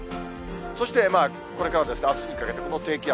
そしてこれからですが、あすにかけての低気圧。